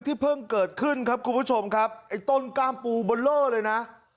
เพิ่งเกิดขึ้นครับคุณผู้ชมครับไอ้ต้นกล้ามปูเบอร์เลอร์เลยนะ